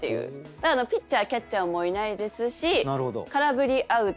だからピッチャーキャッチャーもいないですし空振りアウト。